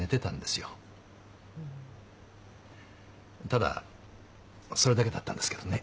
ただそれだけだったんですけどね。